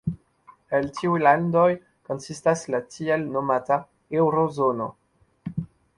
El tiuj landoj konsistas la tiel nomata "Eŭro-zono".